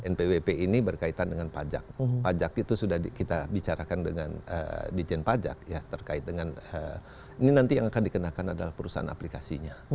npwp ini berkaitan dengan pajak pajak itu sudah kita bicarakan dengan dijen pajak ya terkait dengan ini nanti yang akan dikenakan adalah perusahaan aplikasinya